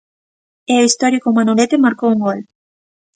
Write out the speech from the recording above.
E o histórico Manolete marcou un gol.